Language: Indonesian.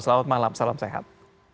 selamat malam salam sehat